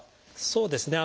そうですね。